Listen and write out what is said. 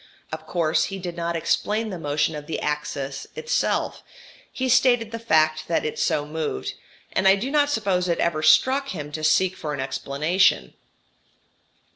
Of course he did not explain the motion of the axis itself. He stated the fact that it so moved, and I do not suppose it ever struck him to seek for an explanation.